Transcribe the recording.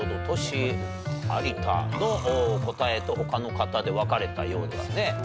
トシ有田の答えと他の方で分かれたようですね。